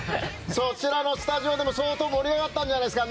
そちらのスタジオでも相当盛り上がったんじゃないですか？